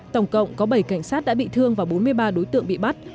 tổng cộng có bảy cảnh sát đã bị thương và bốn mươi ba đối tượng bị bắt